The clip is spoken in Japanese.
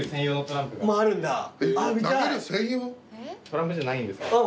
トランプじゃないんですけど。